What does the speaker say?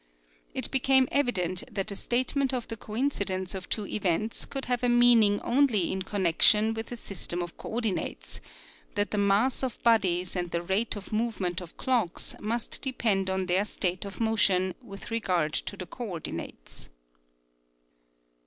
It became evident that a statement of the coincidence of two events could have a meaning only in connection with a system of coordinates, that the mass of bodies and the rate of movement of clocks must depend on their state of motion with regard to the coordinates.